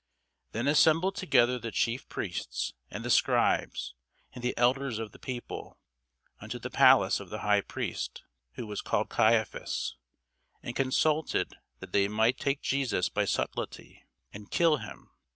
Then assembled together the chief priests, and the scribes, and the elders of the people, unto the palace of the high priest, who was called Caiaphas, and consulted that they might take Jesus by subtilty, and kill him.